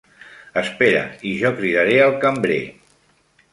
Espera i jo cridaré el cambrer.